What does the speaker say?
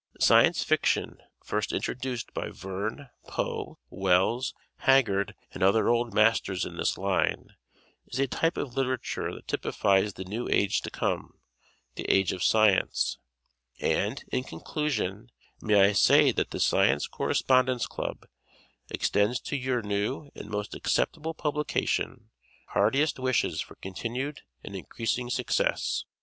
Science Fiction, first introduced by Verne, Poe, Wells, Haggard and other old masters in this line, is a type of literature that typifies the new age to come the age of science. And, in conclusion, may I say that the Science Correspondence Club extends to your new and most acceptable publication heartiest wishes for continued and increasing success.